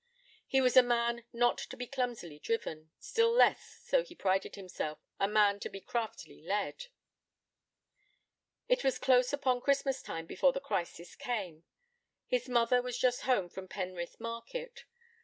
He was a man not to be clumsily driven, still less, so he prided himself, a man to be craftily led. It was close upon Christmas time before the crisis came. His mother was just home from Penrith market.